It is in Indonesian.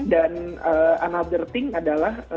dan another thing adalah